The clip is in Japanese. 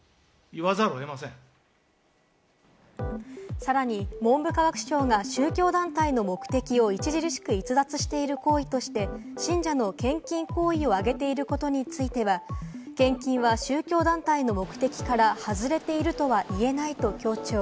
さらに文部科学省が宗教団体の目的を著しく逸脱している行為として信者の献金行為を挙げていることについては、献金は宗教団体の目的から外れているとは言えないと強調。